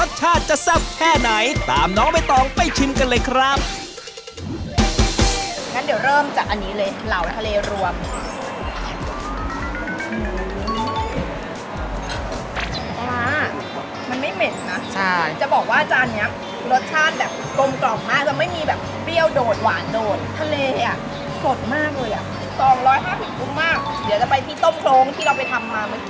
เดี๋ยวจะไปที่ต้มโค้งที่เราไปทำมาเมื่อกี้นะคะ